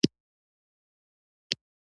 هګۍ ډېرو خلکو ته خوښ دي.